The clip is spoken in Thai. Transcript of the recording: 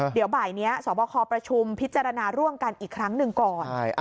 เดี๋ยวบ่ายนี้สบคประชุมพิจารณาร่วมกันอีกครั้งหนึ่งก่อน